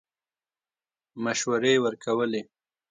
مشورې ورکولې.